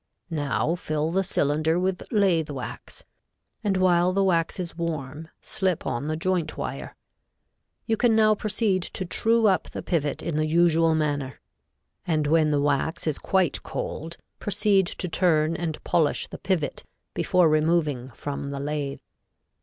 Now fill the cylinder with lathe wax, and while the wax is warm, slip on the joint wire. You can now proceed to true up the pivot in the usual manner, and when the wax is quite cold, proceed to turn and polish the pivot before removing from the lathe.